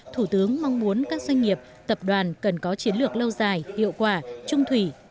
thủ tướng mong muốn các doanh nghiệp tập đoàn cần có chiến lược lâu dài hiệu quả trung thủy